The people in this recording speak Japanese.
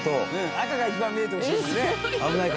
赤が一番見えてほしいもんね。